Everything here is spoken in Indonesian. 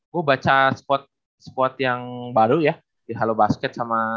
gue baca spot yang baru ya